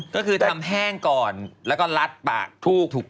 ก็คือทำแห้งก่อนแล้วก็ลัดปากทูบถูก